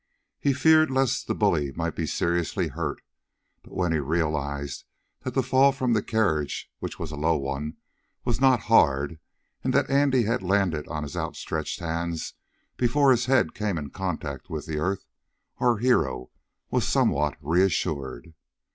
He feared lest the bully might be seriously hurt. But when he realized that the fall from the carriage, which was a low one, was not hard, and that Andy had landed on his outstretched hands before his head came in contact with the earth, our hero was somewhat reassured.